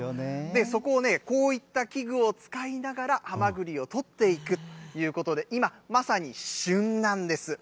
そこをね、こういった器具を使いながら、はまぐりを取っていくということで、今、まさに旬なんです。